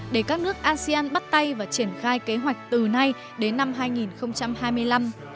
để các nước asean bắt tay và triển khai kế hoạch từ nay đến năm hai nghìn hai mươi năm